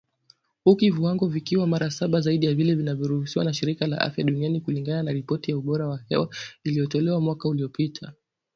Huku viwango vikiwa mara saba zaidi ya vile vinavyoruhusiwa na shirika la afya duniani, kulingana na ripoti ya ubora wa hewa iliyotolewa mwaka uliopita.